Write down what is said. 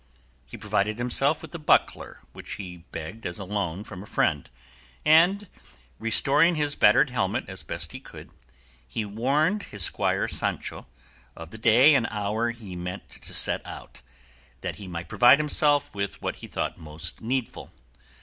He provided himself with a buckler, which he begged as a loan from a friend, and, restoring his battered helmet as best he could, he warned his squire Sancho of the day and hour he meant to set out, that he might provide himself with what he thought most needful.